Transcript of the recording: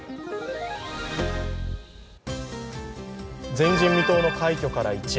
前人未到の快挙から一夜。